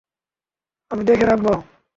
আমি দেখে রাখব।